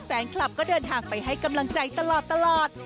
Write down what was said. แฟนคลับก็เดินทางไปให้กำลังใจตลอด